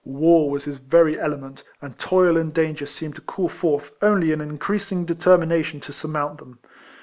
War was his very element, and toil and danger seemed to call forth only an increasing determination to surmount them.